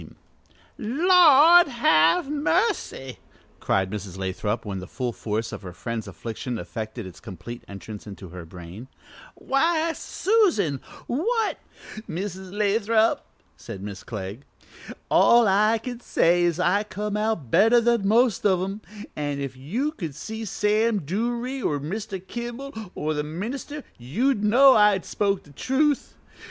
"The Lord have mercy!" cried Mrs. Lathrop, when the full force of her friend's affliction effected its complete entrance into her brain, "Why, Susan, what " "Mrs. Lathrop," said Miss Clegg, "all I can say is I come out better than the most of 'em, an' if you could see Sam Duruy or Mr. Kimball or the minister you'd know I spoke the truth.